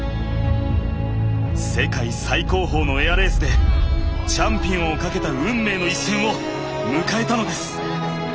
世界最高峰のエアレースでチャンピオンを懸けた運命の一戦を迎えたのです。